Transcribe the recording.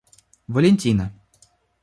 Валентина